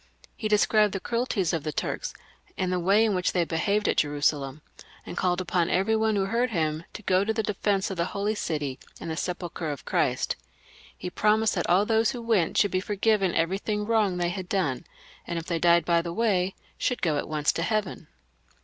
He described the cruelties of the Turks, and the way in which they behaved at Jeru salem, and called upon every one who heard him to go to the defence of the Holy City and the sepulchre of Christ. He promised that all those who went should be forgiven everything wrong they had done, and if they died by the way, should go at once to heaven.